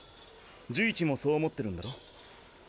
寿一もそう思ってるんだろ？